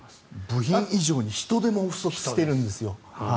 部品以上に人手も不足しているんですよ。